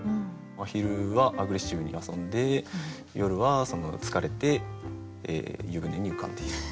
真昼はアグレッシブに遊んで夜は疲れて湯船に浮かんでいる。